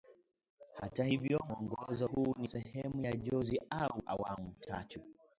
Hata hivyo mwongozo huu ni sehemu ya jozi au awamu tatu